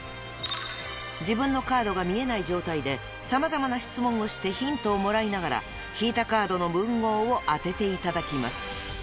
［自分のカードが見えない状態で様々な質問をしてヒントをもらいながら引いたカードの文豪を当てていただきます］